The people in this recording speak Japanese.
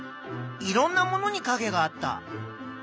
いろんなものにかげがあった。